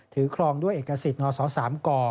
ครองด้วยเอกสิทธิ์นศ๓ก